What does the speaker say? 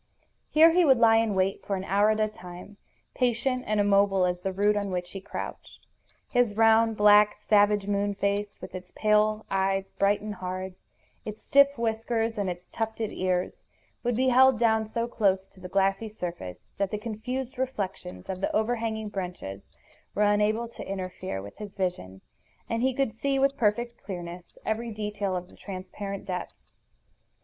Here he would lie in wait for an hour at a time, patient and immobile as the root on which he crouched. His round, black, savage moon face, with its pale eyes bright and hard, its stiff whiskers, and its tufted ears, would be held down so close to the glassy surface that the confused reflections of the overhanging branches were unable to interfere with his vision, and he could see with perfect clearness every detail of the transparent depths.